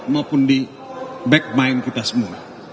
maupun di back mind kita semua